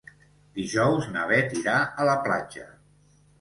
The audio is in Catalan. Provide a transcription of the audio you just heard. Dijous na Beth irà a la platja.